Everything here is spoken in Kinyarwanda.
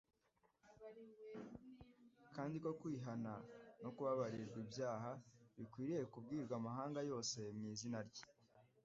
kandi ko kwihana no kubabarirwa ibyaha bikwiriye kubwirwa amahanga yose mu izina iye,